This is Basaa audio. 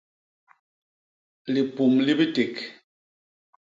Lipum li biték.